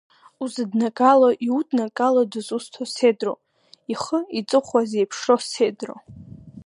Узыднагало, иуднагало дызусҭоу сеидроу, ихы, иҵыхәа зеиԥшроу сеидроу.